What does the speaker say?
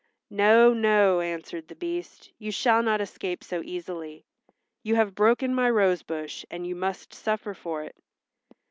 "No, no," answered the Beast. "You shall not escape so easily. You have broken my rose bush and you must suffer for it."